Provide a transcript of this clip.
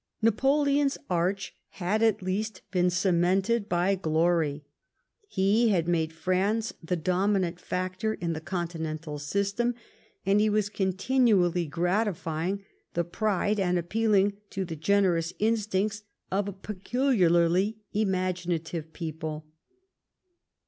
Napoleon's arch had at least been cemented by glory. He had made France the dominant factor in the continental system ; and he was continually gratifying the pride, and appealing to the generous instincts, of a peculiarly imaginative people.